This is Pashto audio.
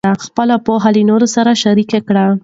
خپله پوهه له نورو سره شریک کړئ.